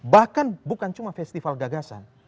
bahkan bukan cuma festival gagasan